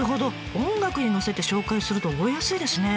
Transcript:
音楽にのせて紹介すると覚えやすいですね。